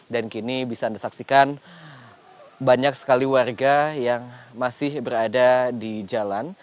dan kini bisa anda saksikan banyak sekali warga yang masih berada di jalan